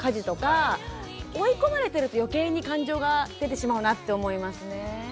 追い込まれてると余計に感情が出てしまうなって思いますね。